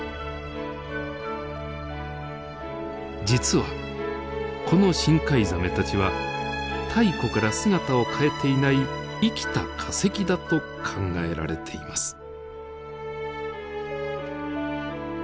実はこの深海ザメたちは太古から姿を変えていない生きた化石だと考えられています。